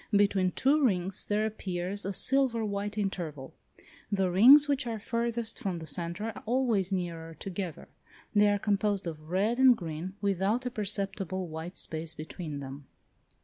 Between two rings there appears a silver white interval. The rings which are farthest from the centre are always nearer together: they are composed of red and green without a perceptible white space between them.